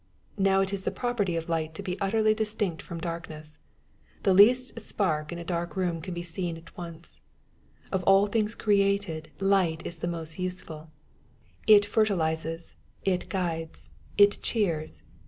Now it is the property of light to be utterly distinct from dark ness. The least spark in a dark room can be seen at once. Of all things created light is the most usefuL It ferti lizes. It guides. It cheers.